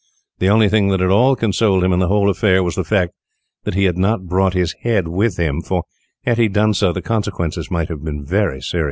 The only thing that at all consoled him in the whole affair was the fact that he had not brought his head with him, for, had he done so, the consequences might have been very serious.